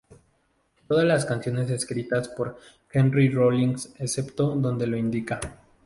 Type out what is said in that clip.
Todas las canciones escritas por Henry Rollins, excepto donde lo indica.